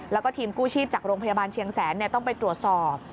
แล้วก็ทีมกู้ชีพจากโรงพยาบาลเชียงแสนต้องไปตรวจสอบ